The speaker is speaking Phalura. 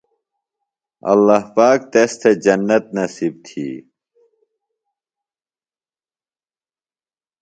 اللہ پاک تس تھےۡ جنت نصیب تھی